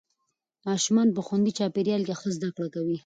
ماشومان په خوندي چاپېریال کې ښه زده کړه کوي